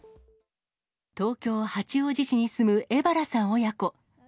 東京・八王子市に住む荏原さん親子。